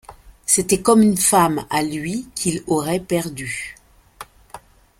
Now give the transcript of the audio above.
C’était comme une femme à lui qu’il aurait perdue.